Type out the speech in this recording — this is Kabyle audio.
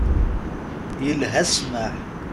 Yelha ssmaḥ.